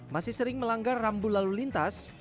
masih sering melanggar rambu lalu lintas